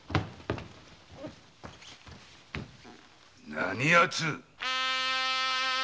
何やつ！